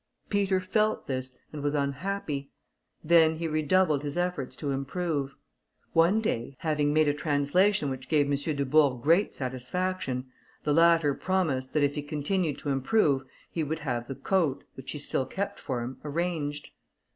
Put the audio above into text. Peter felt this, and was unhappy: then he redoubled his efforts to improve. One day, having made a translation which gave M. Dubourg great satisfaction, the latter promised, that if he continued to improve, he would have the coat, which he still kept for him, arranged.